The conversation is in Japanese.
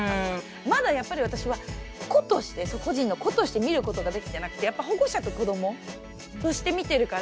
まだやっぱり私は個として個人の「個」として見ることができてなくてやっぱ「保護者と子ども」として見てるから。